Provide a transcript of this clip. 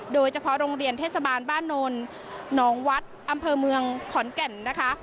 โดยเฉพาะโรงเรียนเทศบาลบ้านนนหนองวัดอำเภอเมืองขอนแก่นนะคะ